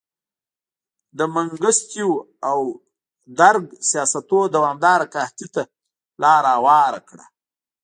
د منګستیو او درګ سیاستونو دوامداره قحطۍ ته لار هواره کړه.